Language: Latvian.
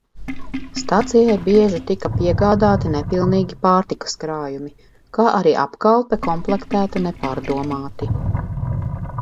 Stacijai bieži tika piegādāti nepilnīgi pārtikas krājumi, kā arī apkalpe komplektēta nepārdomāti.